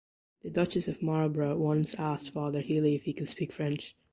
The Duchess of Marlborough once asked Father Healy if he could speak French.